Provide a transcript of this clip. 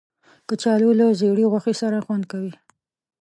کچالو له زېړې غوښې سره خوند کوي